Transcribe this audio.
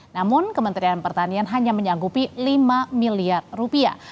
namun kementerian pertanian hanya menyanggupi lima miliar rupiah